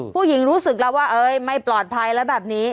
รู้สึกแล้วว่าไม่ปลอดภัยแล้วแบบนี้